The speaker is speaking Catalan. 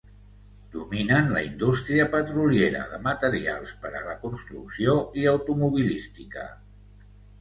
Dominen la indústria petroliera, de materials per a la construcció i automobilística.